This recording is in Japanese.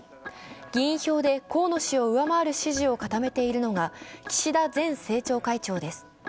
議員票で河野氏を上回る支持を固めたのが岸田前政調会長です。